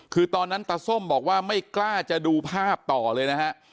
คือตอนนั้นตาส้มบอกว่าไม่กล้าจะดูภาพต่อเลยนะฮะ